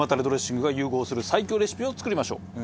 ドレッシングが融合する最強レシピを作りましょう。